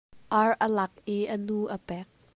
Ar a laak i a nu a pek.